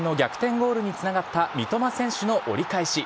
ゴールにつながった三笘選手の折り返し。